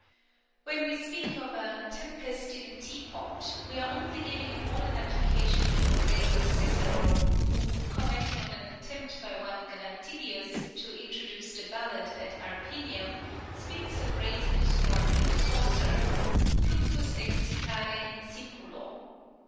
When we speak of " A tempest in a teapot " we are only giving a modern application to a 262 CURIOSITIES OF phrase of Cicero, who, commenting on an attempt by one Gratidius to introduce the ballot at Arpinum, speaks of raising a storm in a saucer (" Fluctus excitare in simpulo